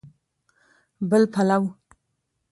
بل پلو